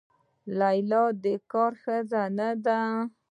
لیلا د کار ښځه نه ده.